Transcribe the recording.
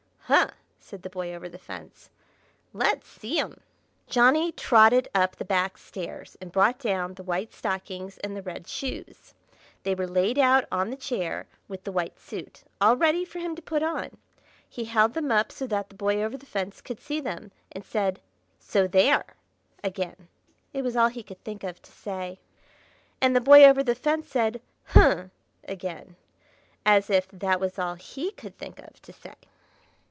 "Hurnh!" said the Boy Over the Fence. "Let's see 'em!" Johnny trotted up the back stairs and brought down the white stockings and the red shoes; they were laid out on the chair, with the white suit, all ready for him to put on. He held them up so that the Boy Over the Fence could see them, and said, "So there!" again; it was all he could think of to say. And the Boy Over the Fence said, "Hurnh!" again, as if that was all he could think of to say.